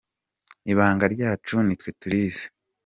Ibanga ryacu nitwe turizi.